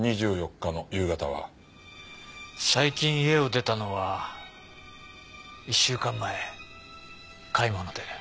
最近家を出たのは１週間前買い物で。